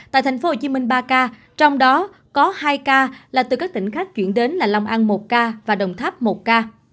tại tp hcm ba ca trong đó có hai ca là từ các tỉnh khác chuyển đến là long an một ca và đồng tháp một ca